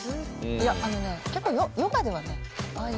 いやあのね結構ヨガではねああいう。